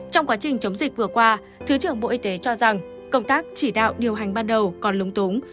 trong quá trình chống dịch vừa qua thứ trưởng bộ y tế cho rằng công tác chỉ đạo điều hành ban đầu còn lúng túng